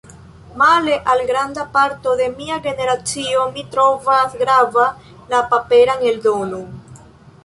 Male al granda parto de mia generacio, mi trovas grava la paperan eldonon.